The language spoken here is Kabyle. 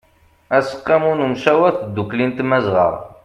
aseqqamu n ymcawer n tdukli n tmazɣa